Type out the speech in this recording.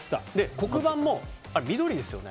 黒板も、あれ緑ですよね？